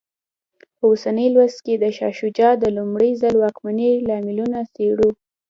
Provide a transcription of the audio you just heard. په اوسني لوست کې د شاه شجاع د لومړي ځل واکمنۍ لاملونه څېړو.